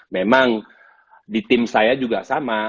memang di tim saya juga sama